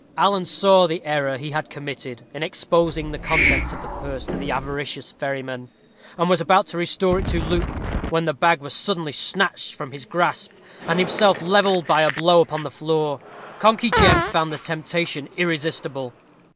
Alan saw the error he had committed in exposing the contents of the purse to the avaricious ferryman, and was about to restore it to Luke, when the bag was suddenly snatched from his grasp, and himself levelled by a blow upon the floor. Conkey Jem found the temptation irresistible.